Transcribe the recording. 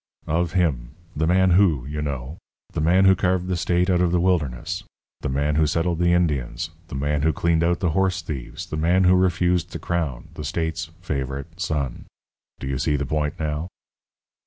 "Of him. 'The man who,' you know. The man who carved the state out of the wilderness. The man who settled the Indians. The man who cleaned out the horse thieves. The man who refused the crown. The state's favourite son. Do you see the point now?"